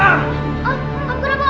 om kenapa om